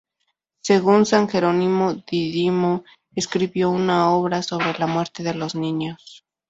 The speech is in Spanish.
Según San Jerónimo Dídimo escribió una obra sobre la muerte de los niños.